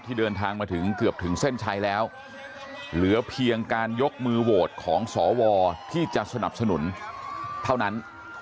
เดินทางมาถึงเกือบถึงเส้นชัยแล้วเหลือเพียงการยกมือโหวตของสวที่จะสนับสนุนเท่านั้น